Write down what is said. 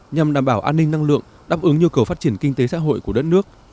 nhằm đảm bảo an ninh năng lượng đáp ứng nhu cầu phát triển kinh tế xã hội của đất nước